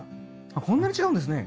あっこんなに違うんですね。